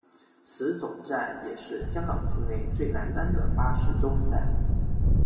此总站也是香港境内最南端的巴士终站。